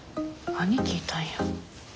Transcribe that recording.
兄貴いたんや。